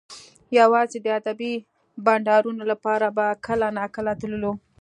یوازې د ادبي بنډارونو لپاره به کله ناکله تللو